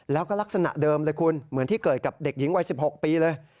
แล้วก็ลักษณะเดิมเลยคุณเหมือนที่เกิดกับเด็กหญิงวัย๑๖ปีเลย